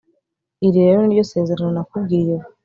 iri rero ni ryo sezerano nakubwiye ubu